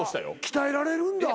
鍛えられるんだ。